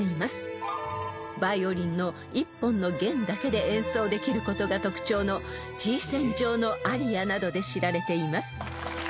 ［バイオリンの１本の弦だけで演奏できることが特徴の『Ｇ線上のアリア』などで知られています］